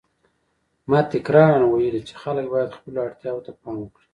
ما تکراراً ویلي چې خلک باید خپلو اړتیاوو ته پام وکړي.